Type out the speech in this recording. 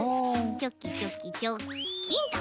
チョキチョキチョッキンと。